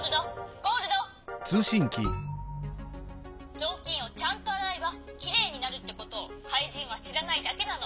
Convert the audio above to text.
ぞうきんをちゃんとあらえばきれいになるってことをかいじんはしらないだけなの」。